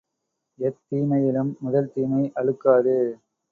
எத்தீமையிலும் முதல்தீமை அழுக்காறு!